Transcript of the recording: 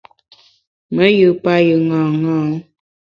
Me yù payù ṅaṅâ.